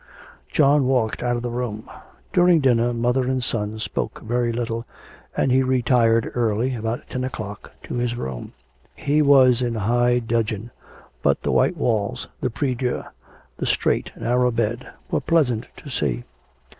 John walked out of the room. During dinner mother and son spoke very little, and he retired early, about ten o'clock, to his room. He was in high dudgeon, but the white walls, the prie dieu, the straight, narrow bed, were pleasant to see.